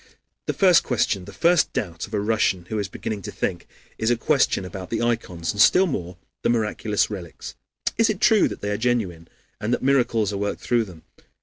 The first question, the first doubt of a Russian who is beginning to think, is a question about the ikons, and still more the miraculous relics: Is it true that they are genuine, and that miracles are worked through them?